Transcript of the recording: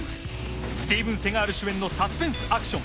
スティーブン・セガール主演のサスペンスアクション。